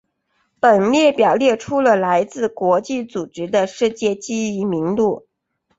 本列表列出了来自国际组织的世界记忆名录。